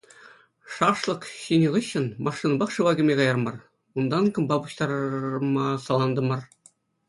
Шашлык ҫинӗ хыҫҫӑн машинӑпах шыва кӗме кайрӑмӑр, унтан кӑмпа пуҫтарма салантӑмӑр.